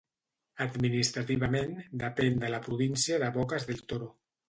Administrativament, depén de la Província de Bocas del Toro.